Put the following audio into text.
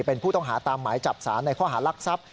เป็นผู้ต้องหาตามหมายจับสารในข้อหารักทรัพย์